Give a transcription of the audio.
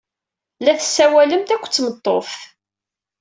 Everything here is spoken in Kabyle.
La tessawalemt akked tmeṭṭut.